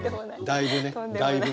だいぶね！